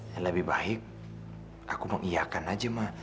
yang lebih baik aku mengiakkan aja ma